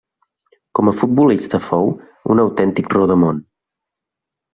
Com a futbolista fou un autèntic rodamón.